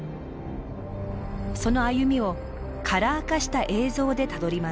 その歩みをカラー化した映像でたどります。